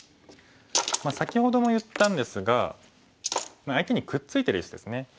先ほども言ったんですが相手にくっついてる石ですね。